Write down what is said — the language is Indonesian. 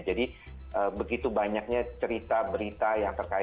jadi begitu banyaknya cerita berita yang tertentu ya